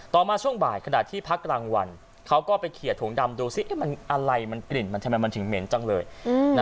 มาช่วงบ่ายขณะที่พักกลางวันเขาก็ไปเขียดถุงดำดูซิมันอะไรมันกลิ่นมันทำไมมันถึงเหม็นจังเลย